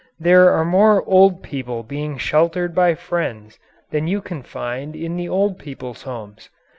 There are more old people being sheltered by friends than you can find in the old people's homes.